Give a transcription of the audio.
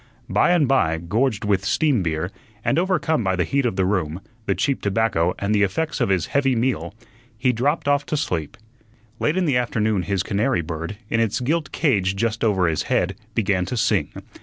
By and by, gorged with steam beer, and overcome by the heat of the room, the cheap tobacco, and the effects of his heavy meal, he dropped off to sleep. Late in the afternoon his canary bird, in its gilt cage just over his head, began to sing.